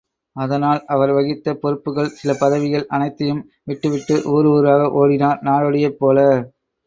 அதனால் அவர் வகித்த பொறுப்புக்கள், சில பதவிகள் அனைத்தையும் விட்டுவிட்டு ஊர் ஊராக ஓடினார் நாடோடியைப் போல.